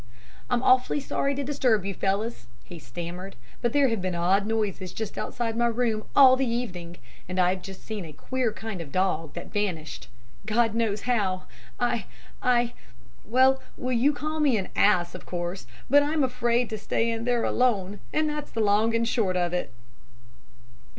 "'I'm awfully sorry to disturb you fellows,' he stammered, 'but there have been odd noises just outside my room all the evening, and I've just seen a queer kind of dog, that vanished, God knows how. I I well, you will call me an ass, of course, but I'm afraid to stay there alone, and that's the long and short of it.'